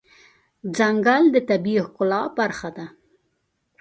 ځنګل د طبیعي ښکلا برخه ده.